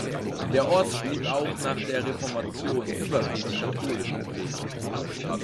Der Ort blieb auch nach der Reformation überwiegend katholisch geprägt.